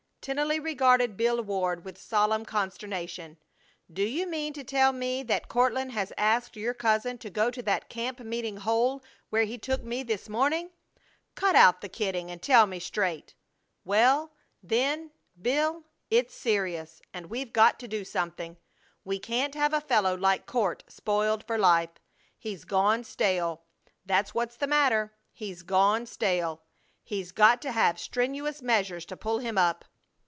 Tennelly regarded Bill Ward with solemn consternation. "Do you mean to tell me that Court has asked your cousin to go to that camp meeting hole where he took me this morning? Cut out the kidding and tell me straight! Well, then, Bill, it's serious, and we've got to do something! We can't have a fellow like Court spoiled for life. He's gone stale, that's what's the matter; he's gone stale! He's got to have strenuous measures to pull him up."